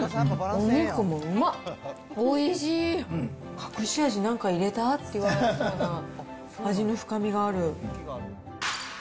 隠し味、なんか入れた？って言われそうな味の深みがある。